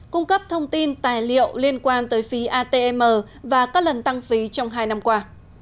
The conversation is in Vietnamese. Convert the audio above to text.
cung cấp thông tin tài liệu liên quan tới phí atm và các lần tăng phí trong hai năm qua